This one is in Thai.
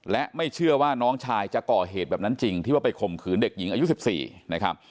และไม่เชื่อว่าน้องชายจะก่อเหตุแบบนั้นจริงที่ว่าไปข่มขืนเด็กหญิงอายุ๑๔นะครับ